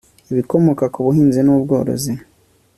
ibikomoka ku buhinzi n'ubworozi